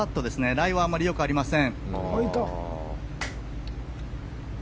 ライはあまり良くありません。